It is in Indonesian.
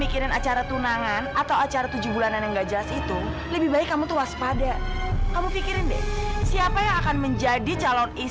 kalau engga ibu juga gak tau kalau kamu udah gak tinggal di rumah fadil lagi